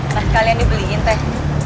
nah kalian dibeliin teh